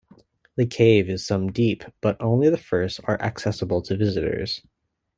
The cave is some deep but only the first are accessible to visitors.